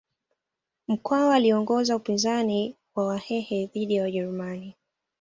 Mkwawa aliongoza upinzani wa wahehe dhidi ya wajerumani